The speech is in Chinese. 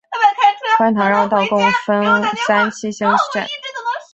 观塘绕道共分三期兴建。